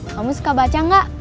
kamu suka baca enggak